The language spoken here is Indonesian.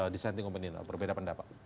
desain tinggal menilai berbeda pendapat